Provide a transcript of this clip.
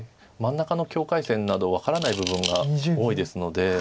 真ん中の境界線など分からない部分が多いですので。